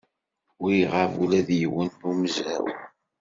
Ur iɣab ula d yiwen n umezraw.